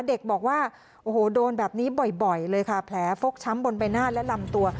เด็กบอกว่าโอ้โหโดนแบบนี้บ่อยเลยค่ะแผลฟกช้ำบนใบหน้าและลำตัว